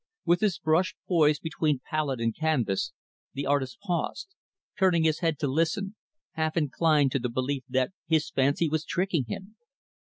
With his brush poised between palette and canvas, the artist paused, turning his head to listen, half inclined to the belief that his fancy was tricking him.